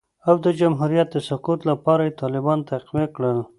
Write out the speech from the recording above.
او د جمهوریت د سقوط لپاره یې طالبان تقویه کړل